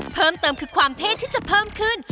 เพิ่มเติมคือความเท่ที่จะเพิ่มขึ้น